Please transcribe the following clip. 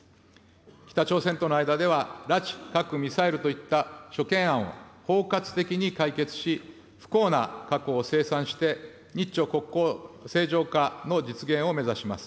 北朝鮮との間では、拉致、核、ミサイルといった諸懸案を包括的に解決し、不幸な過去を清算して、日朝国交正常化の実現を目指します。